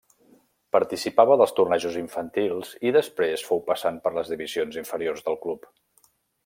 Participava dels torneigs infantils i després fou passant per les divisions inferiors del club.